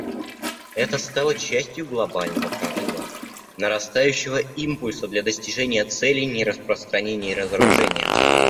Это стало частью глобального прорыва: нарастающего импульса для достижения целей нераспространения и разоружения.